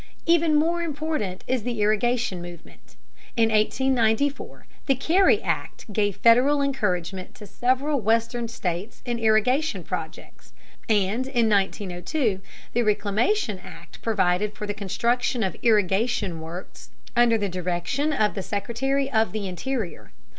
Even more important is the irrigation movement. In 1894 the Carey Act gave Federal encouragement to several western states in irrigation projects, and in 1902 the Reclamation Act provided for the construction of irrigation works under the direction of the Secretary of the Interior.